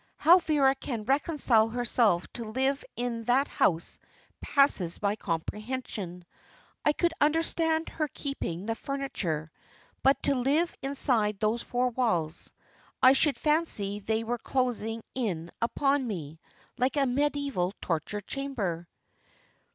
How Vera can reconcile herself to life in that house passes my comprehension. I could understand her keeping the furniture; but to live inside those four walls. I should fancy they were closing in upon me, like a mediæval torture chamber."